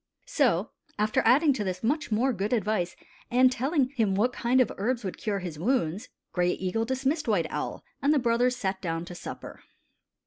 So, after adding to this much more good advice and telling him what kind of herbs would cure his wounds. Gray Eagle dismissed White Owl, and the brothers sat down to supper.